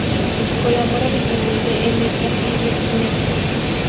Colabora habitualmente en Letras Libres y Nexos.